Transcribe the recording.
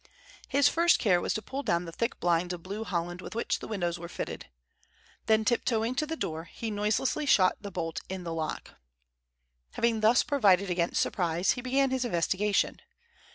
His first care was to pull down the thick blinds of blue holland with which the windows were fitted. Then tip toeing to the door, he noiselessly shot the bolt in the lock. Having thus provided against surprise, he began his investigation.